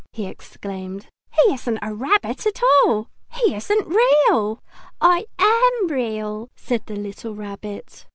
he exclaimed. "He isn't a rabbit at all! He isn't real!" "I am Real!" said the little Rabbit.